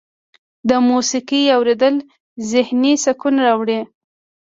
د موسیقۍ اوریدل ذهني سکون راوړي.